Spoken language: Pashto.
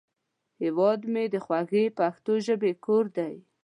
هیواد مې د خوږې پښتو ژبې کور دی